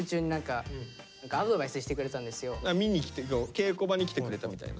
見に来て稽古場に来てくれたみたいな。